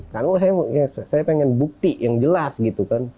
karena saya pengen bukti yang jelas gitu kan